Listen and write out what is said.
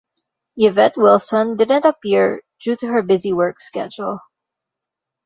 Yvette Wilson didn't appear due to her busy work schedule.